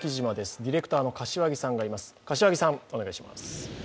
ディレクターの柏木さんがいます。